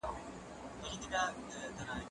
زه به سبا مېوې وچوم